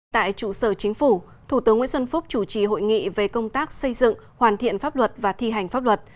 tại trụ sở chính phủ thủ tướng nguyễn xuân phúc chủ trì hội nghị về công tác xây dựng hoàn thiện pháp luật và thi hành pháp luật